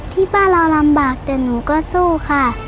ที่บ้านเราลำบากแต่หนูก็สู้ค่ะ